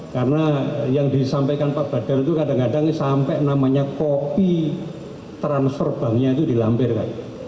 karena yang disampaikan pak badar itu kadang kadang sampai namanya kopi transfer banknya itu dilampirkan